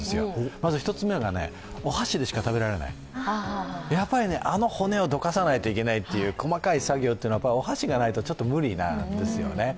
まず１つめがお箸でしか食べられない、あの骨をどかさないといけない細かい作業は、お箸がないと無理なんですよね。